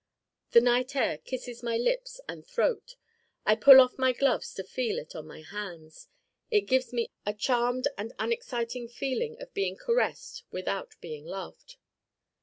The night air kisses my lips and throat. I pull off my gloves to feel it on my hands. It gives me a charmed and unexciting feeling of being caressed without being loved.